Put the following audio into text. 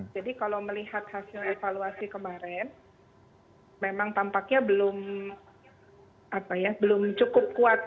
jadi kalau melihat hasil evaluasi kemarin memang tampaknya belum cukup kuat